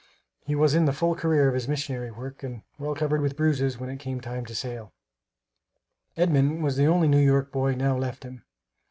He was in the full career of his missionary work, and well covered with bruises, when it came time to sail. Edmund was the only New York boy now left him.